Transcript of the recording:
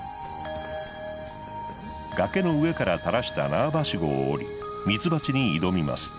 崖の上から垂らした縄ばしごを下りミツバチに挑みます。